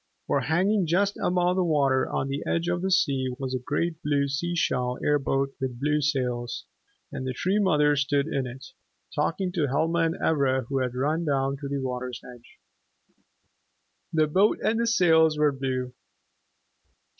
For hanging just above the water on the edge of the sea was a great blue sea shell air boat with blue sails; and the Tree Mother stood in it, talking to Helma and Ivra who had run down to the water's edge. The boat and the sails were blue.